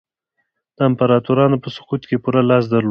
د امپراتورانو په سقوط کې یې پوره لاس درلود.